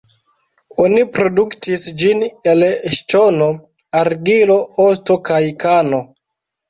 Oni produktis ĝin el ŝtono, argilo, osto kaj kano.